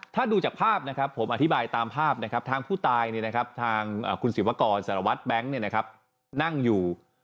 ถ้าดูจากภาพนะครับผมอธิบายตามภาพนะครับทางผู้ตายทางคุณศิวกรสารวัตรแบงค์นั่งอยู่